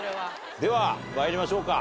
では参りましょうか。